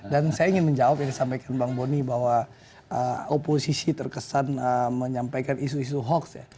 dan saya ingin menjawab yang disampaikan bang bonny bahwa oposisi terkesan menyampaikan isu isu hoax ya